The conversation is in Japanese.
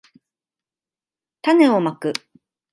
たねをまく